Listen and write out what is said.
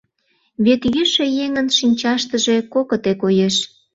— Вет йӱшӧ еҥын шинчаштыже кокыте коеш.